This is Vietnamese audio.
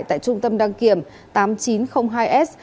tại trung tâm đăng kiểm tám nghìn chín trăm linh hai s